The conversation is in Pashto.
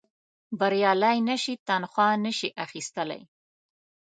بریالي نه شي تنخوا نه شي اخیستلای.